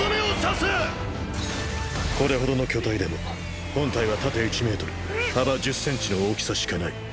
これほどの巨体でも本体は縦１ｍ幅１０ｃｍの大きさしかない。